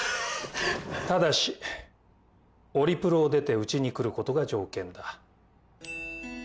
ただしオリプロを出てうちに来ることが条件だ